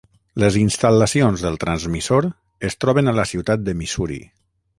Les instal·lacions del transmissor es troben a la ciutat de Missouri.